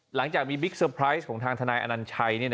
หลังจากมีบิ๊กเซอร์ไพรส์ของทางทนายอนัญชัย